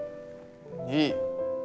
いい。